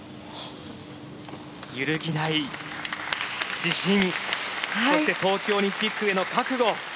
揺るぎない自信そして東京オリンピックへの覚悟。